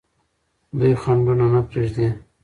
دوی خنډونه نه پرېږدي.